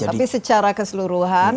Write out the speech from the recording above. tapi secara keseluruhan